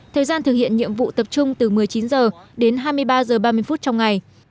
thời gian thực hiện nhiệm vụ tập trung từ một mươi chín h đến hai mươi ba h ba mươi phút trong ngày